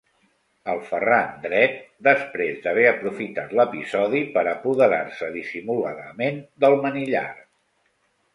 El Ferran dret, després d'haver aprofitat l'episodi per apoderar-se dissimuladament del manillar.